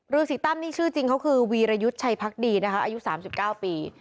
รื้อสีตั้มนี่ชื่อจริงคือวีรยุชายพรรคดีอายุ๓๙ปี